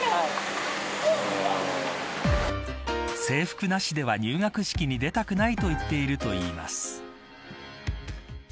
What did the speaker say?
制服なしでは入学式に出たくないといっているといいます。